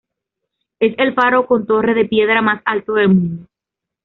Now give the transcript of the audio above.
Es el faro con torre de piedra más alto del mundo.